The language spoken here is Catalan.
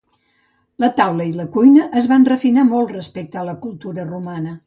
La taula i la cuina es van refinar molt respecte a la cultura romana.